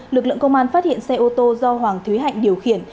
lực lượng công an phát hiện xe ô tô do hoàng thúy hạnh điều khiển